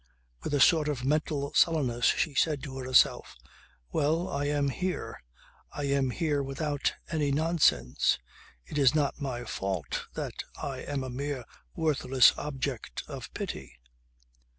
With a sort of mental sullenness she said to herself: "Well, I am here. I am here without any nonsense. It is not my fault that I am a mere worthless object of pity."